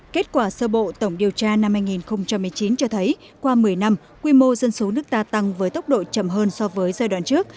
kết quả sơ bộ tổng điều tra năm hai nghìn một mươi chín cho thấy qua một mươi năm quy mô dân số nước ta tăng với tốc độ chậm hơn so với giai đoạn trước